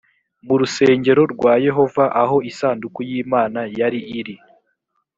mu rusengero rwa yehova, aho isanduku y’imana yari iri.